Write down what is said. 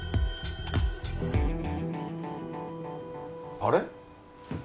あれ？